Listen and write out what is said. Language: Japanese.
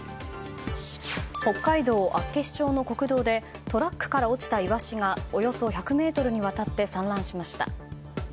北海道厚岸町の国道でトラックから落ちたイワシがおよそ１００ｍにわたって散乱しました。